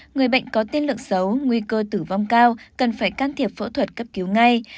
người bệnh có tiên lượng xấu nguy cơ tử vong cao cần phải can thiệp phẫu thuật cấp cứu ngay